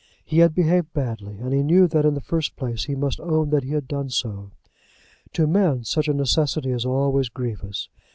He had behaved badly, and he knew that in the first place he must own that he had done so. To men such a necessity is always grievous.